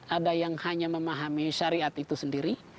ada yang hanya memahami syariat itu sendiri